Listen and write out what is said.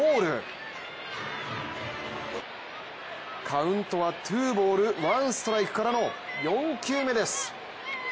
カウントはツーボール・ワンストライクからの４球目です。